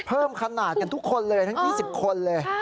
เพิ่มขนาดกันทุกคนเลยทั้ง๒๐คนเลย